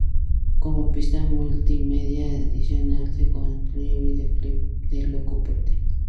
Como pista multimedia adicional se incluye el videoclip de "Loco por ti"